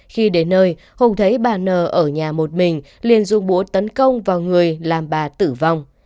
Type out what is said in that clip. khi đến nơi hùng thấy bà n ở nhà một mình liên dung bố tấn công vào người làm bà tử vong